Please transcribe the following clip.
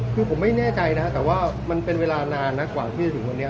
คือผมไม่แน่ใจนะครับแต่ว่ามันเป็นเวลานานนะกว่าที่จะถึงวันนี้